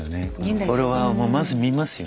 フォロワーもまず見ますよね。